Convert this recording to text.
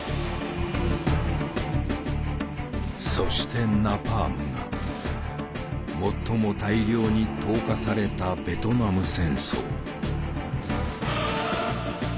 そしてナパームが最も大量に投下されたベトナム戦争。